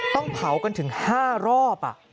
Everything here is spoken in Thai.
ต้องเผากันถึง๕รอบ